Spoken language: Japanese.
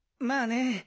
まあね。